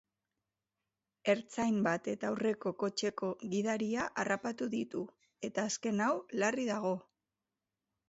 Ertzain bat eta aurreko kotxeko gidaria harrapatu ditu eta azken hau larri dago.